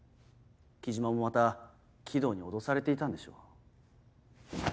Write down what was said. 木嶋もまた鬼道に脅されていたんでしょう。